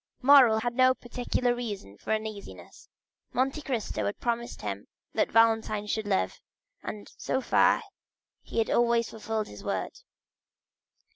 Morrel had no particular reason for uneasiness; Monte Cristo had promised him that Valentine should live, and so far he had always fulfilled his word.